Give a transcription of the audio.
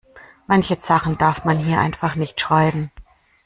Manche Sachen darf man hier einfach nicht schreiben.